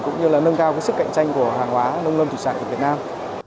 cũng như là nâng cao sức cạnh tranh của hàng hóa nông lâm thủy sản của việt nam